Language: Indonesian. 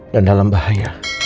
dan dalam bahaya